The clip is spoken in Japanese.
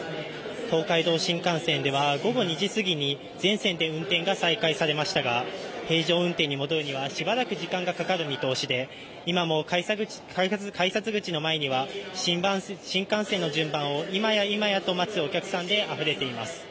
東海道新幹線では午後２時すぎに全線で運転が再開されましたが平常運転に戻るにはしばらく時間がかかる見通しで、今も改札口の前には新幹線の順番を今や今やと待つお客さんであふれています。